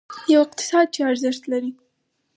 یو اقتصاد چې ارزښت لري.